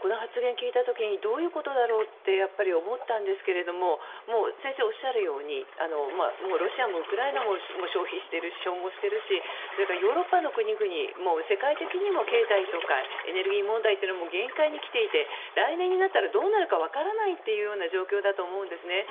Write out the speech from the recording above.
この発言を聞いた時にどういうことだろうとやっぱり、思ったんですが先生がおっしゃるようにロシアもウクライナも消耗しているしそれからヨーロッパの国々も世界的にも経済とかエネルギー問題も限界に来ていて来年になったらどうなるか分からない状況だと思うんですね。